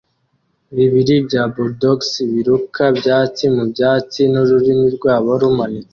bibiri bya bulldogs biruka byatsi mubyatsi nururimi rwabo rumanitse